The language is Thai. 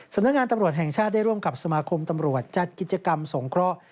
สำนักงานตำรวจแห่งชาติได้ร่วมกับสมาคมตำรวจจัดกิจกรรมสงเคราะห์